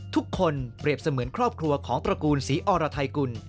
ทุกคนเปรียบเสมือนครอบครัวของตระกูลศรีอรไทยกุล